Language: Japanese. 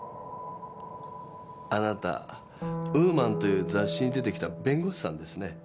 あなた『ＷＯＭＡＮ』という雑誌に出てきた弁護士さんですね？